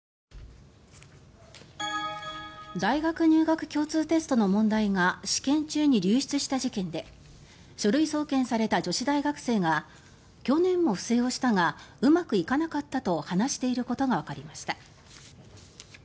大学入学共通テストの問題が試験中に流出した事件で書類送検された女子大学生が去年も不正をしたがうまくいかなかったと話していることがわかりました。